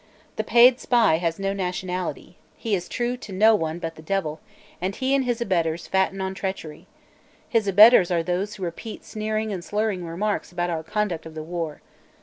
The paid spy has no nationality; he is true to no one but the devil, and he and his abettors fatten on treachery. His abettors are those who repeat sneering and slurring remarks about our conduct of the war.